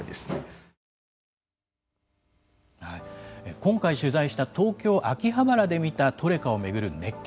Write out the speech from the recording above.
今回取材した東京秋葉原で見たトレカを巡る熱狂